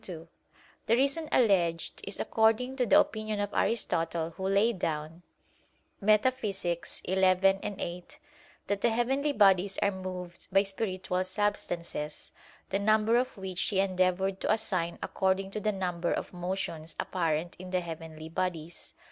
2: The reason alleged is according to the opinion of Aristotle who laid down (Metaph. xi, 8) that the heavenly bodies are moved by spiritual substances; the number of which he endeavored to assign according to the number of motions apparent in the heavenly bodies.